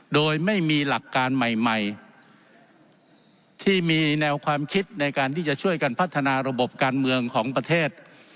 โดยไม่มีหลักการใหม่ที่มีแนวความคิดในการที่จะช่วยกันพัฒนาระบบการเมืองของประเทศ